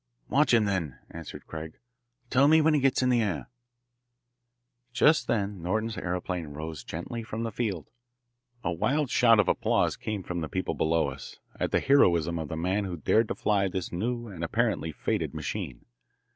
"Watch him then," answered Craig. "Tell me when he gets in the air." Just then Norton's aeroplane rose gently from the field. A wild shout of applause came from the people below us, at the heroism of the man who dared to fly this new and apparently fated machine.